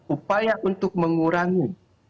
upaya untuk mengurangi